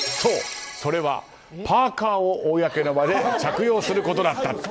それはパーカを公の場で着用することだった。